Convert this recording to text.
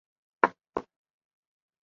凡人口变化图示